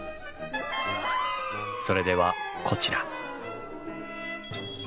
それではこちら。